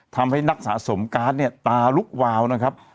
ทำให้นักสะสมการ์ดเนี่ยตาลุกวาวนะครับ